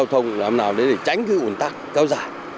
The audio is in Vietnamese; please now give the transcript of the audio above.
hàng lậu chất cấm